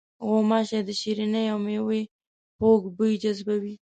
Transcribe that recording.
غوماشې د شریني او میوې خوږ بوی جذبوي.